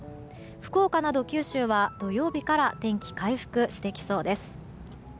福岡など九州は土曜日から天気回復してきそうです。